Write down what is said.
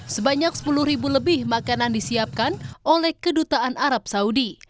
sebanyak sepuluh ribu lebih makanan disiapkan oleh kedutaan arab saudi